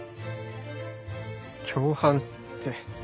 共犯って。